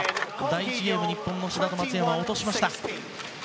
第１ゲーム、日本の志田と松山落としました。